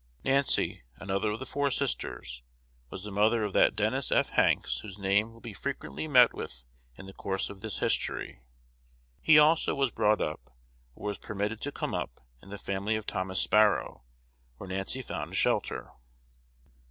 Nancy, another of the four sisters, was the mother of that Dennis F. Hanks whose name will be frequently met with in the course of this history. He also was brought up, or was permitted to come up, in the family of Thomas Sparrow, where Nancy found a shelter.